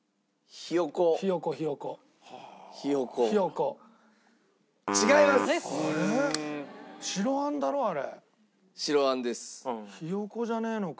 ひよ子じゃねえのか。